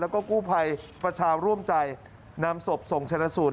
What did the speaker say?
แล้วก็กู้ภัยประชาร่วมใจนำศพส่งชนะสูตร